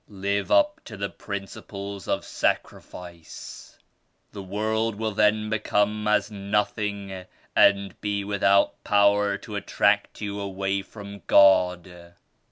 Live up to the principles of Sacrifice. The world will then become as noth ing and be without power to attract you away from God.